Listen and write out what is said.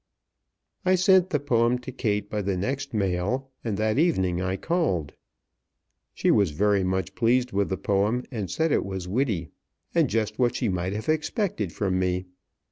I sent the poem to Kate by the next mail, and that evening I called. She was very much pleased with the poem, and said it was witty, and just what she might have expected from me.